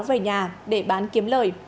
về nhà để bán kiếm lời